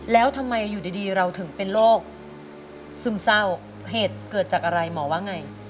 แล้วทำไมอยู่ดีเราถึงเป็นโรคซึมเศร้าเหตุเกิดจากอะไรหมอว่าไง